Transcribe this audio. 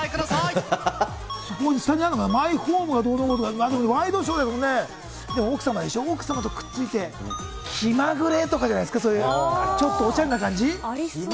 下にあるのかな、マイホームがどうのこうのとか、ワイドショーだもんね、奥さまでしょ、奥さまとくっついて、気まぐれとかじゃないですか、ちょっとおしゃれな感じ？ありそう。